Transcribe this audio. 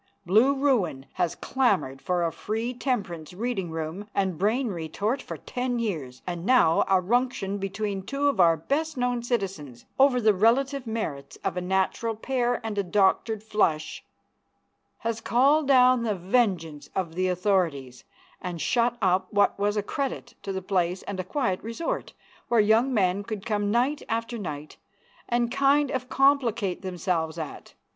Blue Ruin has clamored for a free temperance reading room and brain retort for ten years, and now a ruction between two of our best known citizens, over the relative merits of a natural pair and a doctored flush, has called down the vengeance of the authorities, and shut up what was a credit to the place and a quiet resort, where young men could come night after night and kind of complicate themselves at.